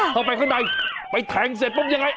เข้าไปข้างในไปแทงเสร็จปุ๊บยังไง